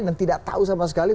dan tidak tahu sama sekali